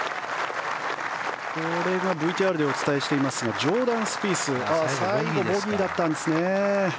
ＶＴＲでお伝えしていますがジョーダン・スピースは最後、ボギーだったんですね。